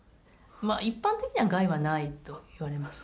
一般的には害はないといわれます。